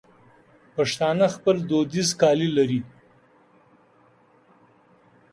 پښتانه خپل دودیز کالي لري.